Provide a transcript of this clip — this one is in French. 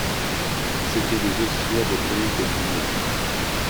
C’était des auxiliaires de police de première.